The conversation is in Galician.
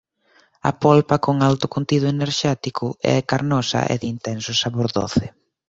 A polpa con alto contido enerxético é carnosa e de intenso sabor doce.